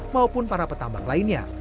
maupun para petambak lainnya